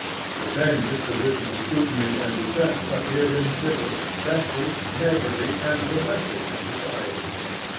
The same disposition to scrutiny and dissent appeared in civil, festive, neighborly, and domestic society.